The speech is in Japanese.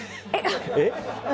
えっ？